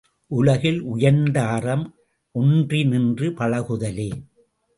உலகில் உயர்ந்த அறம் ஒன்றி நின்று பழகுதலே!